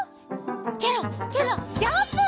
ケロッケロッジャンプ！